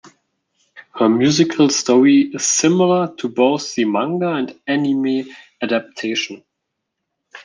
Her musical story is similar to both the manga and anime adaptation.